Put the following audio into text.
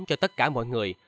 cho tất cả mọi người